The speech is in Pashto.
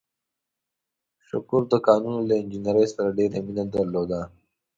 شکور د کانونو له انجنیرۍ سره ډېره مینه درلوده.